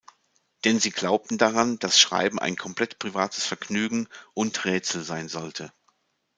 Denn sie glaubt daran, dass Schreiben ein komplett privates Vergnügen und Rätsel sein sollte.